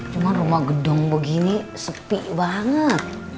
cuma rumah gedung begini sepi banget